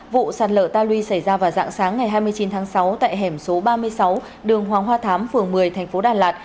vụ sạt lở ta luy xảy ra vào dạng sáng ngày hai mươi chín tháng sáu tại hẻm số ba mươi sáu đường hoàng hoa thám phường một mươi thành phố đà lạt